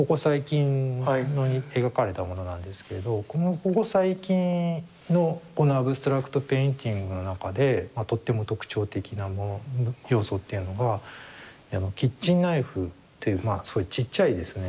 ここ最近のこの「アブストラクト・ペインティング」の中でとっても特徴的なもの要素というのがキッチンナイフっていうちっちゃいですね